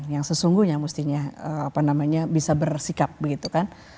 yang sesungguhnya mestinya bisa bersikap begitu kan